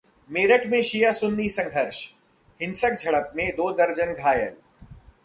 मेरठ में शिया-सुन्नी संघर्ष, हिंसक झड़प में दो दर्जन घायल